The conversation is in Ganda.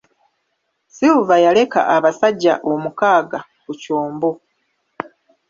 Silver yaleka abasajja omukaaga ku kyombo